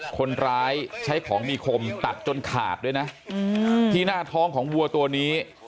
คนร้ายใช้ของมีคมตัดจนขาดด้วยนะที่หน้าท้องของวัวตัวนี้